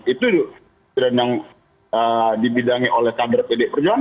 itu ya yang dibidangi oleh kader pd perjuangan